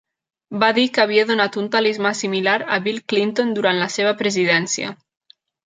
Va dir que havia donat un talismà similar a Bill Clinton durant la seva presidència.